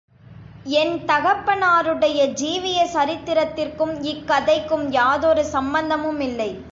என் தகப்பனாருடைய ஜீவிய சரித்திரத்திற்கும் இக்கதைக்கும் யாதொரு சம்பந்தமுமில்லை.